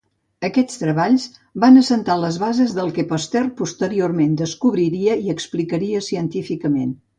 Aquests treballs van assentar les bases del que Pasteur posteriorment descobriria i explicaria científicament.